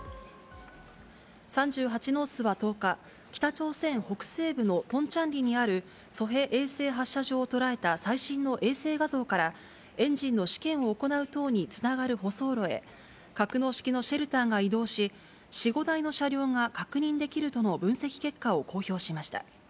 ３８ノースは１０日、北朝鮮北西部のトンチャンリにある、ソヘ衛星発射場を捉えた最新の衛星画像から、エンジンの試験を行う塔につながる舗装路へ、格納式のシェルターが移動し、４、５台の車両が確認できるとの分析結果を公表しました。